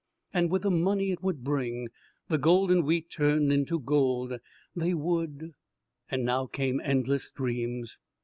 And with the money it would bring the golden wheat turned into gold they would And now came endless dreams.